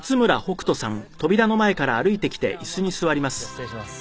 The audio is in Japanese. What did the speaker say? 失礼します。